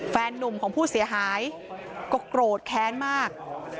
แฟนนุ่มของผู้เสียหายก็โกรธแค้นมาก